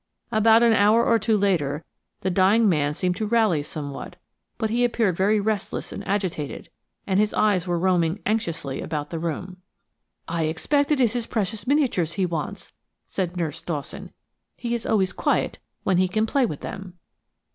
About an hour or two later the dying man seemed to rally somewhat, but he appeared very restless and agitated, and his eyes were roaming anxiously about the room. "I expect it is his precious miniatures he wants," said Nurse Dawson. "He is always quiet when he can play with them."